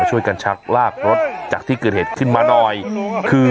ช่วยกันชักลากรถจากที่เกิดเหตุขึ้นมาหน่อยคือ